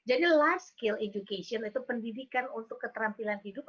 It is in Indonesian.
jadi life skill education itu pendidikan untuk keterampilan hidup